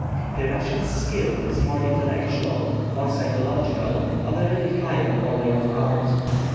The Russian's skill is more intellectual, more psychological, of a really higher order of art.